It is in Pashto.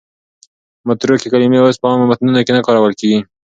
متروکې کلمې اوس په عامو متنونو کې نه کارول کېږي.